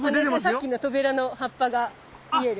さっきのトベラの葉っぱが見える？